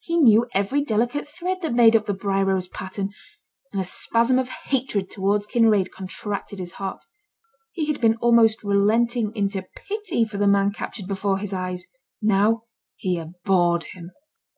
He knew every delicate thread that made up the briar rose pattern; and a spasm of hatred towards Kinraid contracted his heart. He had been almost relenting into pity for the man captured before his eyes; now he abhorred him.